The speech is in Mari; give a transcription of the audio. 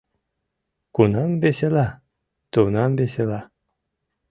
Кунам весела? - Тунам весела: